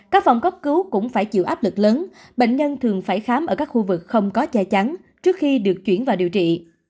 các phòng cấp cứu cũng phải chịu áp lực lớn bệnh nhân thường phải khám ở các khu vực không có che chắn trước khi được chuyển vào điều trị